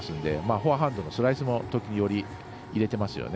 フォアハンドのスライスも時折、入れていますよね。